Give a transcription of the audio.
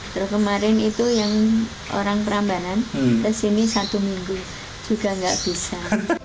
terus kemarin itu yang orang perambanan kesini satu minggu juga nggak bisa